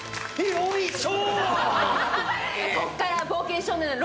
よいしょ。